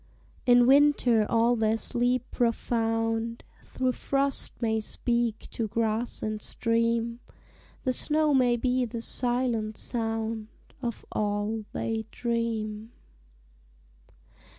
In winter all their sleep profound Through frost may speak to grass and stream; The snow may be the silent sound Of all they dream.